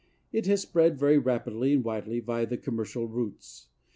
It has spread very rapidly and widely via the commercial routes.